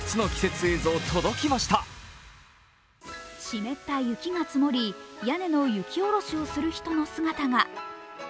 湿った雪が積もり、屋根の雪下ろしをする人の姿が。